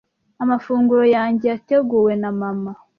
Amafunguro yanjye yateguwe na mama.